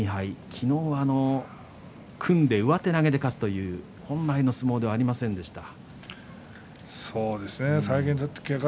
昨日は組んで上手投げで勝つという本来の相撲ではありませんでした。